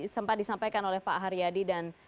sempat disampaikan oleh pak haryadi dan